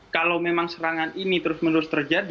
kalau memang serangan ini terus menerus terjadi